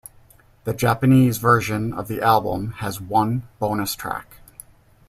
The Japanese version of the album has one bonus track.